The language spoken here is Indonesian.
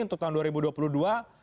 untuk tahun dua ribu dua puluh dua